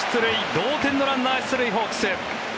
同点のランナー、出塁ホークス。